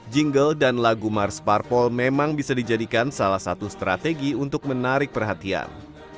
jingle dan lagu mars parpol memang bisa dijadikan salah satu strategi untuk menarik perhatian